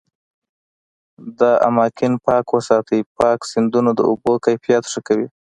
دا اماکن پاک وساتي، پاک سیندونه د اوبو کیفیت ښه کوي.